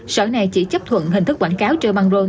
sở này chỉ chấp thuận hình thức quảng cáo treo băng rôn